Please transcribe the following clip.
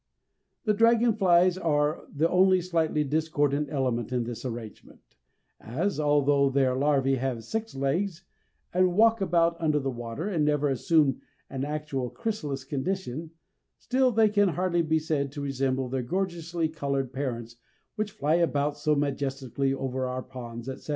The dragonflies are the only slightly discordant elements in this arrangement, as, although their larvæ have six legs and walk about under the water and never assume an actual chrysalis condition, still they can hardly be said to resemble their gorgeously coloured parents which fly about so majestically over our ponds, etc.